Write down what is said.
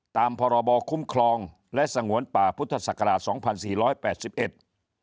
ตามพบคุ้มครองและสงวนป่าพุทธศักราช๒๔๘๑